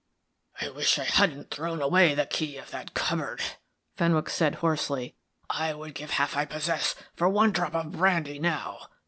"I wish I hadn't thrown away the key of that cupboard," Fenwick said, hoarsely. "I would give half I possess for one drop of brandy now.